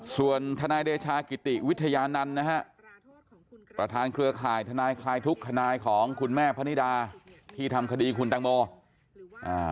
ส่วนทนายเดชากิติวิทยานันต์นะฮะประธานเครือข่ายทนายคลายทุกทนายของคุณแม่พนิดาที่ทำคดีคุณตังโมอ่า